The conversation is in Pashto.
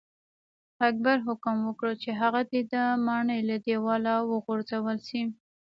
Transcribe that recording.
اکبر حکم وکړ چې هغه دې د ماڼۍ له دیواله وغورځول شي.